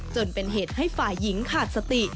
จนเป็นเหตุให้ฝ่ายหญิงขาดสติ